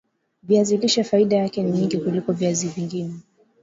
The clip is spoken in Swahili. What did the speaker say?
viazi lishe faida zake ni nyingi kuliko viazi vingine